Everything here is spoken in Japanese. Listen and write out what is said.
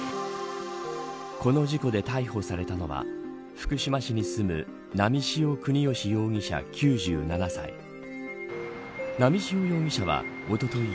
この事故で逮捕されたのは福島市に住む波汐國芳容疑者、９７歳。